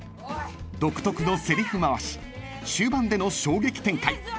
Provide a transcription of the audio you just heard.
［独特のせりふ回し終盤での衝撃展開］